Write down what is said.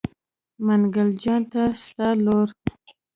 منګل جان ته ستا لور.